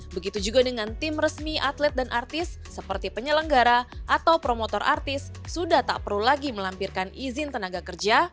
begitu juga dengan tim resmi atlet dan artis seperti penyelenggara atau promotor artis sudah tak perlu lagi melampirkan izin tenaga kerja